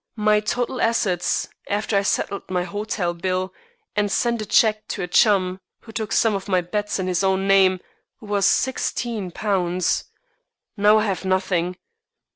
My total assets, after I settled my hotel bill and sent a cheque to a chum who took some of my bets in his own name, was £16. Now I have nothing.